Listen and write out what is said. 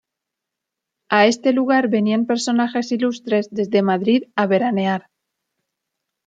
A este lugar venían personajes ilustres desde Madrid a veranear.